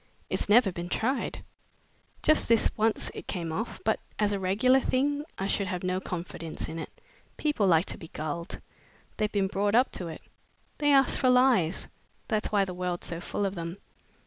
"It's never been tried. Just this once it came off, but as a regular thing I should have no confidence in it. People like to be gulled. They've been brought up to it. They ask for lies that's why the world's so full of them.